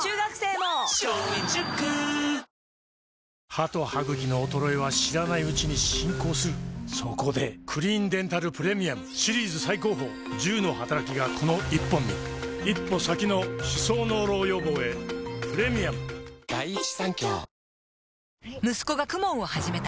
歯と歯ぐきの衰えは知らないうちに進行するそこで「クリーンデンタルプレミアム」シリーズ最高峰１０のはたらきがこの１本に一歩先の歯槽膿漏予防へプレミアム息子が ＫＵＭＯＮ を始めた